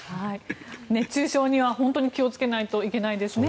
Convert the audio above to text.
熱中症には本当に気をつけないといけないですね。